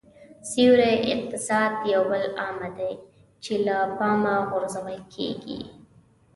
سیوري اقتصاد یو بل عامل دی چې له پامه غورځول کېږي